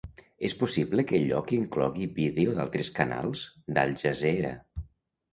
És possible que el lloc inclogui vídeo d'altres canals d'Al Jazeera.